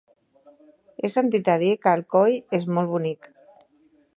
He sentit a dir que Alcoi és molt bonic.